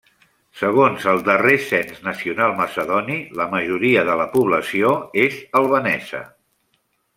Segons el darrer cens nacional macedoni, la majoria de la població és albanesa.